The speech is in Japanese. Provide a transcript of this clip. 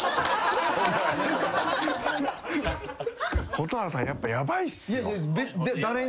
蛍原さんやっぱヤバいっすよ。